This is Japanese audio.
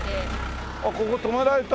あっここ泊められた。